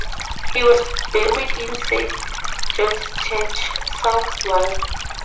He was buried in Saint George's Church, Southwark.